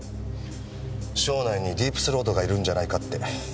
省内にディープ・スロートがいるんじゃないかって。